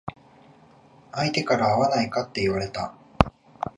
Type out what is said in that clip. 相手から会わないかって言われた。